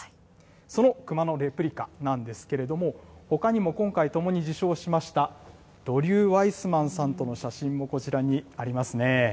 その熊のレプリカなんですけれども、ほかにも今回ともに受賞しましたドリュー・ワイスマンさんとの写真もこちらにありますね。